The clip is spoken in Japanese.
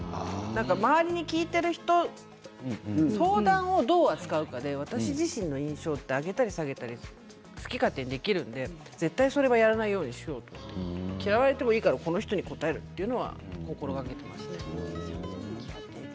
周りで聞いている人相談をどう扱うかということで私の印象は上げたり下げたり好き勝手にできるので絶対それはやらないようにしようと嫌われてもいいからその人に答えるということは心がけています。